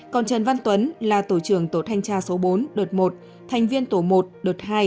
còn trần văn tuấn là tổ trưởng tổ thanh tra số bốn đợt một thành viên tổ một đợt hai